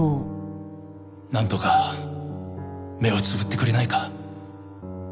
なんとか目をつぶってくれないか？